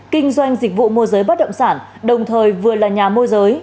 kinh doanh dịch vụ mua giới bất động sản đồng thời vừa là nhà mua giới